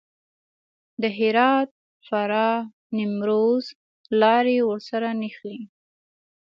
د هرات، فراه، نیمروز لارې ورسره نښلي.